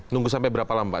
nunggu sampai berapa lama